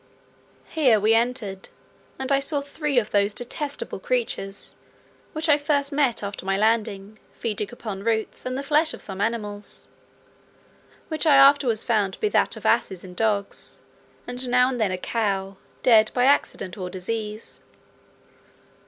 Here we entered, and I saw three of those detestable creatures, which I first met after my landing, feeding upon roots, and the flesh of some animals, which I afterwards found to be that of asses and dogs, and now and then a cow, dead by accident or disease.